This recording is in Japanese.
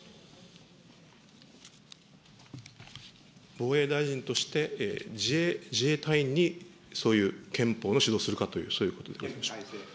防衛大臣として、自衛隊員にそういう憲法を指導するかということでしょうか。